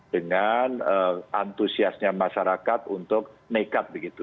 dengan antusiasnya masyarakat untuk nekat begitu